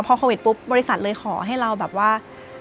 พอโควิดปุ๊บบริษัทเลยขอให้เราแบบว่า